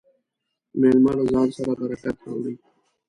مېلمه له ځان سره برکت راوړي.